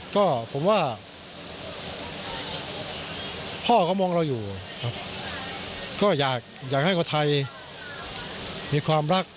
ก็ผมว่าพ่อเขามองเราอยู่ครับก็อยากให้คนไทยมีความรัก